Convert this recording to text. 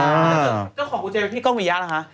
ก็ขอบคุณเจ๊ที่กล้องเวียร์นะคะ